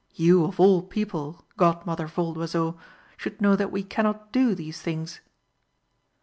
You of all people, Godmother Voldoiseau, should know that we cannot do these things!"